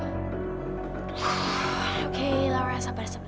oke laura sabar sabar